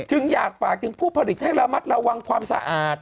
จึงอยากฝากถึงผู้ผลิตให้ระมัดระวังความสะอาด